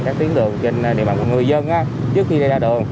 các tiến đường trên địa bàn của người dân trước khi đi ra đường